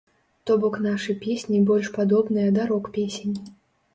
То бок нашы песні больш падобныя да рок-песень.